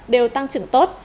đều tăng trưởng tốt